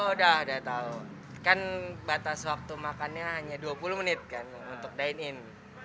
oh udah udah tahu kan batas waktu makannya hanya dua puluh menit kan untuk dine in